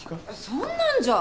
そんなんじゃ。